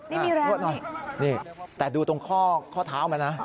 นี่มีแรงหรอนี่แต่ดูตรงข้อเท้ามันนะ